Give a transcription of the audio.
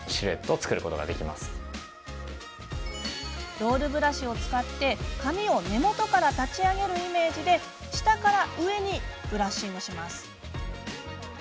ロールブラシを使って髪を根元から立ち上げるイメージで下から上にブラッシング。